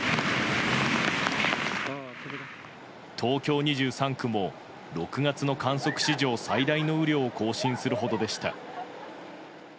東京２３区も６月の観測史上最大の雨量を更新するほどでした。